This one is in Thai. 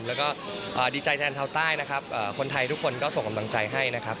แล้วก็ดีใจแทนชาวใต้นะครับคนไทยทุกคนก็ส่งกำลังใจให้นะครับ